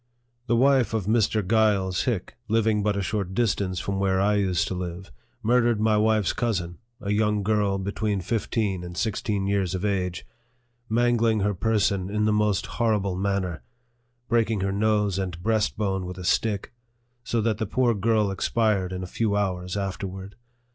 The wife of Mr. Giles Hick, living but a short dis tance from where I used to live, murdered my wife's cousin, a young girl between fifteen and sixteen years of age, mangling her person in the most horrible man ner, breaking her nose and breastbone with a stick, so that the poor girl expired in a few hours afterward.